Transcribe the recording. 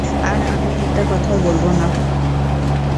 আর আমি একটা কথাও বলবো না।